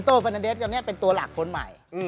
เฟอร์เฟรนเดชน์เป็นตัวหลักคนใหม่